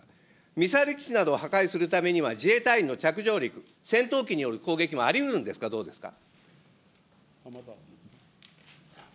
ミサイル基地などを破壊するためには、自衛隊員の着上陸、戦闘機による攻撃もありうるんですか、どうですか。